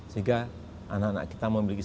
sehingga anak anak kita memiliki